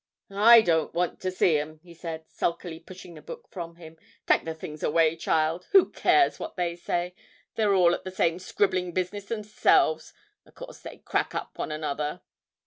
'I don't want to see 'em,' he said, sulkily pushing the book from him. 'Take the things away, child; who cares what they say? They're all at the same scribbling business themselves; o' course they'd crack up one another.'